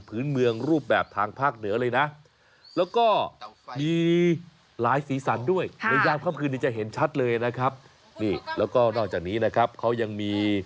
พื้นเมืองรูปแบบทางภาคเหนือเลยนะแล้วก็มีหลายสีสันด้วยในยามค่ำคืนนี้จะเห็นชัดเลยนะครับนี่แล้วก็นอกจากนี้นะครับเขายังมี